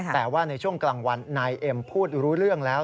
แต่ว่าในช่วงกลางวันนายเอ็มพูดรู้เรื่องแล้ว